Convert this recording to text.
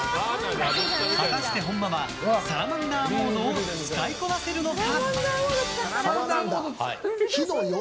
果たして本間はサラマンダーモードを使いこなせるのか？